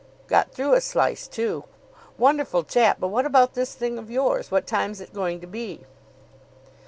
Got through a slice, too. Wonderful chap! But what about this thing of yours? What time's it going to be?"